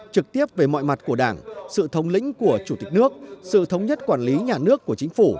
trực tiếp về mọi mặt của đảng sự thống lĩnh của chủ tịch nước sự thống nhất quản lý nhà nước của chính phủ